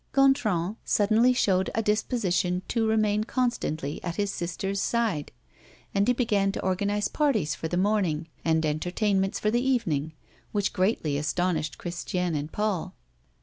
Gontran suddenly showed a disposition to remain constantly at his sister's side; and he began to organize parties for the morning and entertainments for the evening, which greatly astonished Christiane and Paul.